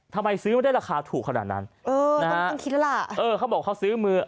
ทำไมซื้อได้ราคาถูกขนาดนั้นเออนะฮะต้องคิดแล้วล่ะเออเขาบอกเขาซื้อมือ